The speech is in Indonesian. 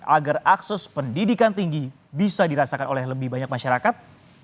agar akses pendidikan tinggi bisa dirasakan oleh lebih banyak masyarakat